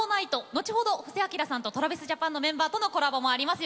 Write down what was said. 後ほど布施明さんとＴｒａｖｉｓＪａｐａｎのメンバーとのコラボもあります。